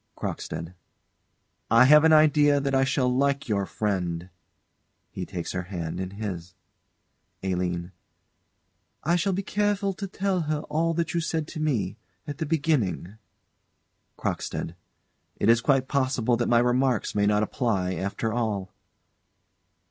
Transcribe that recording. CROCKSTEAD. I have an idea that I shall like your friend. [He takes her hand in his.] ALINE. I shall be careful to tell her all that you said to me at the beginning CROCKSTEAD. It is quite possible that my remarks may not apply after all.